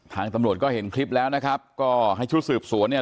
ทางตำรวจก็เห็นคลิปแล้วนะครับก็ให้ชุดสืบสวนเนี่ย